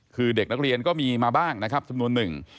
คือเด็กนักเรียนก็มีมาบ้างนะครับจำนวนหนึ่ง